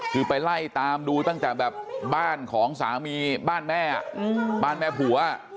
คือไปไล่ตามดูตั้งแต่แบบบ้านของสามีบ้านแม่บ้านแม่ผัว